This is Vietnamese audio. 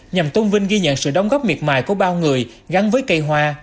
nhằm tôn vinh ghi nhận sự đóng góp miệt mài của bao người gắn với cây hoa